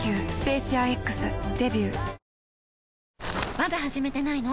まだ始めてないの？